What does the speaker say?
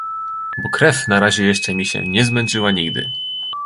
Bo krew na razie jeszcze mi się nie zmęczyła nigdy.